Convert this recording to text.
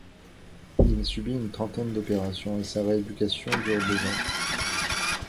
Il subit une trentaine d’opérations et sa rééducation dure deux ans.